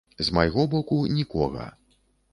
З майго боку нікога!